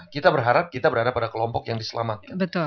kita berharap kita berada pada kelompok yang diselamatkan